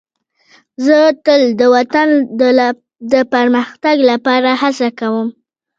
زه تل د وطن د پرمختګ لپاره هڅه کوم.